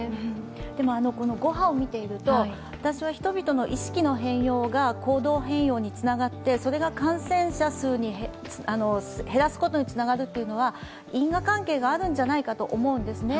でも５波を見ていると、人々の意識の変容が行動変容につながって、それが感染者数を減らすことにつながるというのは因果関係があるんじゃないかと思うんですね。